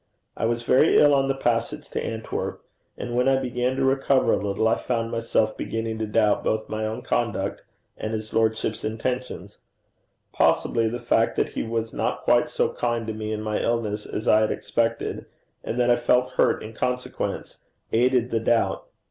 I was very ill on the passage to Antwerp, and when I began to recover a little, I found myself beginning to doubt both my own conduct and his lordship's intentions. Possibly the fact that he was not quite so kind to me in my illness as I had expected, and that I felt hurt in consequence, aided the doubt.